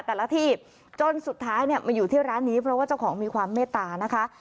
แต่ละที่จนสุดท้ายเนี่ยมาอยู่ที่ร้านนี้เพราะว่าเจ้าของมีความเมตตานะคะ